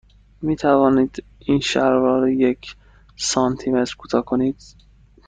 می توانید این شلوار را یک سانتی متر کوتاه کنید؟